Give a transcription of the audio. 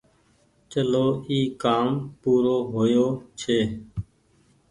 چلو اي ڪآم پورو هو يو ڇي